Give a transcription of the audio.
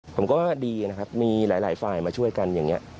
ผมก็ดีนะครับมีหลายฝ่ายมาช่วยกันอย่างนี้